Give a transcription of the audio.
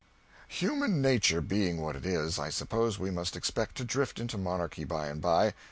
Human nature being what it is, I suppose we must expect to drift into monarchy by and by.